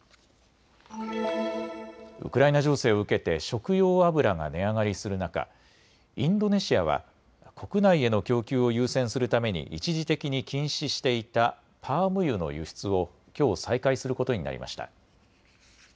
ウクライナ情勢を受けて食用油が値上がりする中、インドネシアは国内への供給を優先するために一時的に禁止していたパーム油の輸出をきょう再開することになりました。